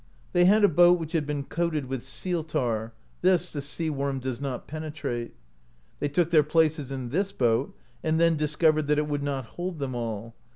They had a boat which had been coated with seal tar; this the sea worm does not penetrate. They took their places in this boat, and then discovered that it would not hold them all.